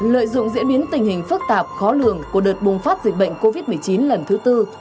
lợi dụng diễn biến tình hình phức tạp khó lường của đợt bùng phát dịch bệnh covid một mươi chín lần thứ tư